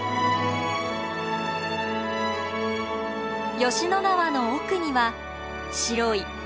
吉野川の奥には白い大鳴門橋。